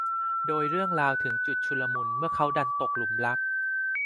โดยเรื่องราวถึงจุดชุลมุนเมื่อเขาดันตกหลุมรัก